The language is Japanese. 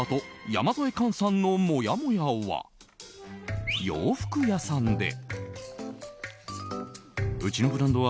山添寛さんのもやもやは洋服屋さんで。